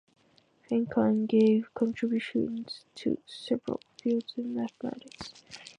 Feng Kang gave contributions to several fields in mathematics.